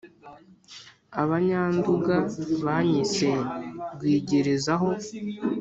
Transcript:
abanyanduga banyise rwigerezaho